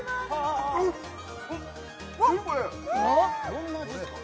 どんな味ですか？